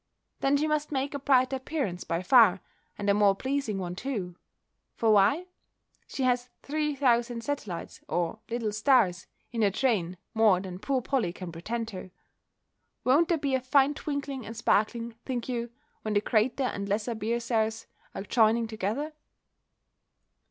Then she must make a brighter appearance by far, and a more pleasing one too: for why? She has three thousand satellites, or little stars, in her train more than poor Polly can pretend to. Won't there be a fine twinkling and sparkling, think you, when the greater and lesser bear stars are joined together?